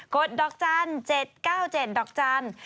ดอกจันทร์๗๙๗ดอกจันทร์